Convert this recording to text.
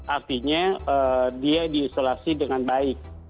artinya dia diisolasi dengan baik